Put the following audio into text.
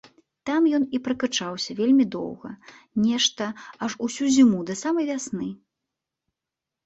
Там ён і пракачаўся вельмі доўга, нешта аж усю зіму, да самай вясны.